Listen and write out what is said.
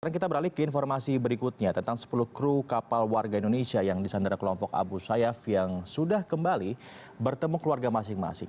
sekarang kita beralih ke informasi berikutnya tentang sepuluh kru kapal warga indonesia yang disandera kelompok abu sayyaf yang sudah kembali bertemu keluarga masing masing